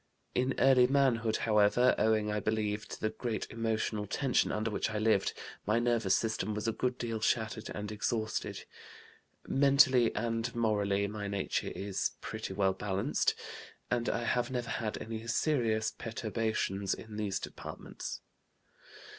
In early manhood, however, owing, I believe, to the great emotional tension under which I lived, my nervous system was a good deal shattered and exhausted. Mentally and morally my nature is pretty well balanced, and I have never had any serious perturbations in these departments.